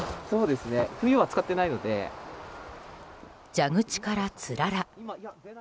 蛇口から、つらら。